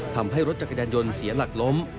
ทำให้รถจักรยานยนต์เสียหลักล้ม